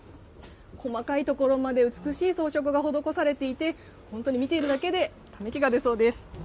細かい所まで美しい装飾が施されていて、本当に見ているだけで、ため息が出そうです。